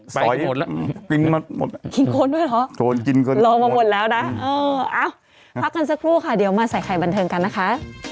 ซอยกินมาหมดแล้วโทนกินกันหมดแล้วเออเอ้าพักกันสักครู่ค่ะเดี๋ยวมาใส่ไข่บันเทิงกันนะคะ